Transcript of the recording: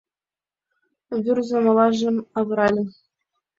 Вӱрзым олажым авырале